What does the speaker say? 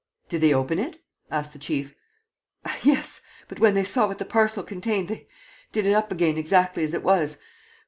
"Did they open it?" asked the chief. "Yes, but when they saw what the parcel contained, they did it up again exactly as it was